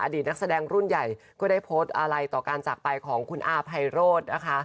นักแสดงรุ่นใหญ่ก็ได้โพสต์อะไรต่อการจากไปของคุณอาภัยโรธนะคะ